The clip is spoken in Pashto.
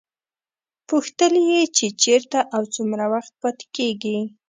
پوښتل یې چې چېرته او څومره وخت پاتې کېږي.